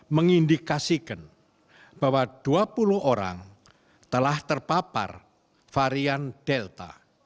mengindikasikan bahwa dua puluh orang telah terpapar varian delta